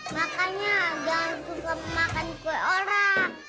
makanya jangan suka makan kue orang